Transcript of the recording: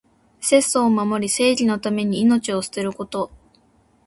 節操を守り、正義のために命を捨てること。